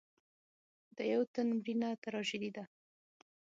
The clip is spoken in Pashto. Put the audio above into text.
د یو تن مړینه تراژیدي ده.